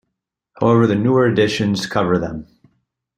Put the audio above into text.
However the newer editions cover them.